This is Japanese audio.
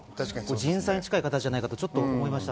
人災に近い形じゃないかと思いました。